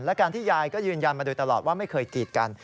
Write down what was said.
และการที่ยายก็ยืนยันมาโดยตลอดว่าไม่เคยกีดกัน